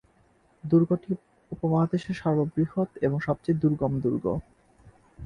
দুর্গটি উপমহাদেশের সর্ববৃহৎ এবং সবচেয়ে দুর্গম দুর্গ।